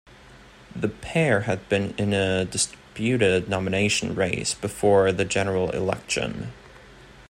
The pair had been in a disputed nomination race before the general election.